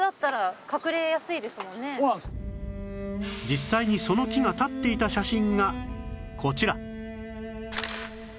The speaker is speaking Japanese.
実際にその木が立っていた写真がこちら